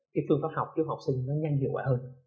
khi phương pháp học khi phương pháp học sinh nó nhanh dựa quả hơn